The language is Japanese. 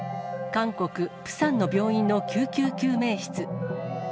韓国・プサンの病院の救急救命室。